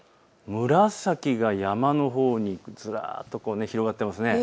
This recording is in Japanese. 紫が山のほうにずらっと広がっていますね。